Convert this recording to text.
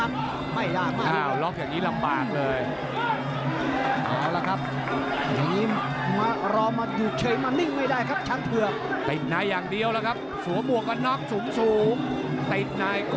ทรงเอตได้ลูกหนัก